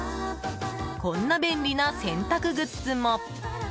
こんな便利な洗濯グッズも。